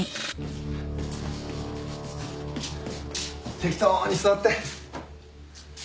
適当に座って。